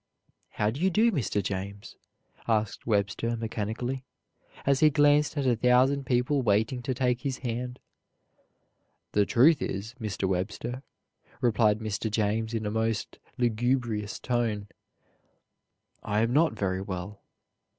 "How do you do, Mr. James?" asked Webster mechanically, as he glanced at a thousand people waiting to take his hand. "The truth is, Mr. Webster," replied Mr. James in a most lugubrious tone, "I am not very well."